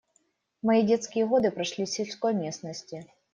Мои детские годы прошли в сельской местности.